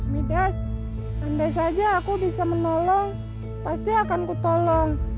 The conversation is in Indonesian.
midas andai saja aku bisa menolong pasti akan kutolong